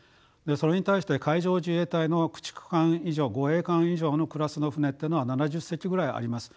それに対して海上自衛隊の駆逐艦以上護衛艦以上のクラスの船ってのは７０隻ぐらいあります。